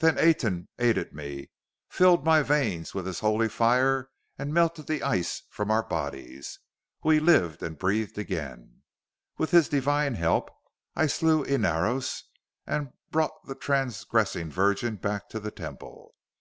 Then Aten aided me, filled my veins with His holy fire and melted the ice from our bodies. We lived and breathed again. With His divine help I slew Inaros and brought the transgressing virgin back to the Temple.